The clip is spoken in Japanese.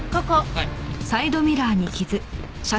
はい。